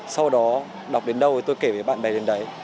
sau đó đọc đến đâu thì tôi kể với bạn bè đến đấy